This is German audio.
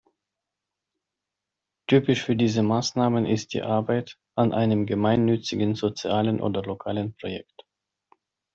Typisch für diese Maßnahmen ist die Arbeit an einem gemeinnützigen, sozialen oder lokalen Projekt.